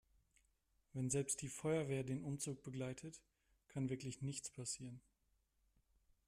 Wenn selbst die Feuerwehr den Umzug begleitet, kann wirklich nichts passieren.